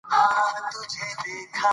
هغې باید د بس تمځای ته ځان رسولی وای.